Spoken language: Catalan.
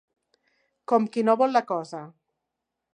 Com qui no vol la cosa.